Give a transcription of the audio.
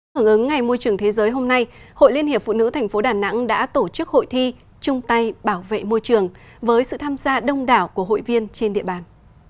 hưởng ứng ngày môi trường thế giới hôm nay hội liên hiệp phụ nữ tp đà nẵng đã tổ chức hội thi trung tay bảo vệ môi trường với sự tham gia đông đảo của hội viên trên địa bàn